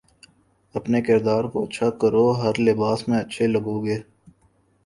اپنے کردار کو اچھا کرو ہر لباس میں اچھے لگو گے